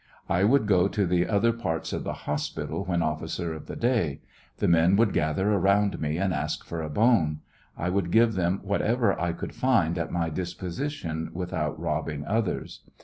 *»«»»»» I would go to the other parts of the hospital when officer of the day; the men would gather around me, and ask for a bone. I would give them whatever I could find at my disposition without robbing others.